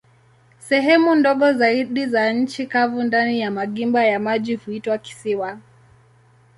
Sehemu ndogo zaidi za nchi kavu ndani ya magimba ya maji huitwa kisiwa.